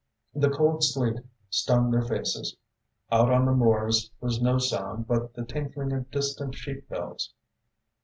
The cold sleet stung their faces. Out on the moors was no sound but time tinkling of distant sheep bells.